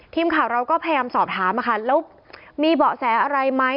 ทีมข่าวเราก็พยายามสอบถามค่ะแล้วมีเบาะแสอะไรไหม